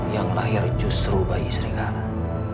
yang lahir justru bayi istri kalah